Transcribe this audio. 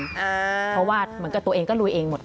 เพราะว่าเหมือนกับตัวเองก็ลุยเองหมด